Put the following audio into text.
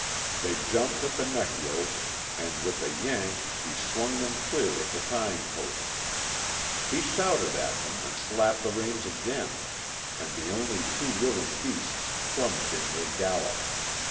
They jumped at the neck yoke, and with a "yank" he swung them clear of the tying posts. He shouted at them and slapped the reins again, and the only too willing beasts plunged into a gallop.